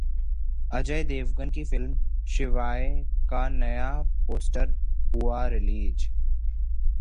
अजय देवगन की फिल्म 'शिवाय' का नया पोस्टर हुआ रिलीज